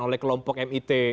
oleh kelompok mit